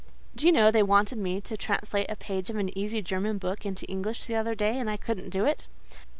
Do you know they wanted me to translate a page of an easy German book into English the other day, and I couldn't do it.